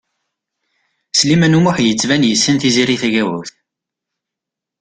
Sliman U Muḥ yettban yessen Tiziri Tagawawt.